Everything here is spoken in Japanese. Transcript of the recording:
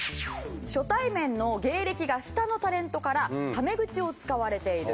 初対面の芸歴が下のタレントからタメ口を使われている。